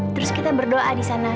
terus kita berdoa disana